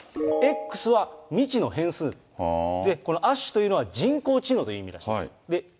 Ｘは未知の変数、このアッシュというのは人工知能という意味だそうです。